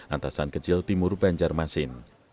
antasan kecil timur banjarmasin